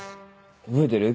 覚えてる？